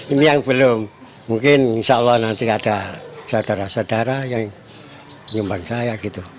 ini yang belum mungkin insya allah nanti ada saudara saudara yang nyumbang saya gitu